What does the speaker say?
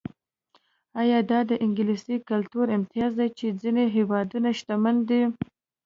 ایا دا د انګلیسي کلتور امتیاز دی چې ځینې هېوادونه شتمن دي.